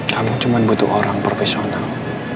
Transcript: kamu cuma butuh orang profesional